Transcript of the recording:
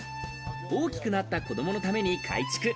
大きくなった子どものために改築。